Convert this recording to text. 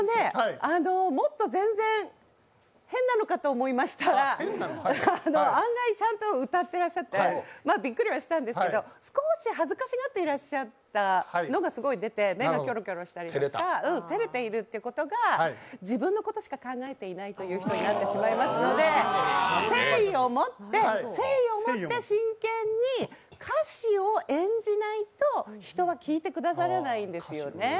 もっと全然変なのかと思いましたら案外ちゃんと歌ってらっしゃってびっくりしたんですけど、すこーし恥ずかしがってらっしゃっていたのが出て、目がキョロキョロしていたりとか照れてるところが自分のことしか考えていないという人になってしまいますので誠意を持って真剣に歌詞を演じないと人は聴いてくださらないんですよね。